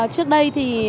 trước đây thì